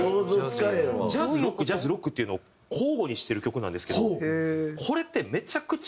ジャズロックジャズロックっていうのを交互にしてる曲なんですけどこれってめちゃくちゃ難しいんですよ。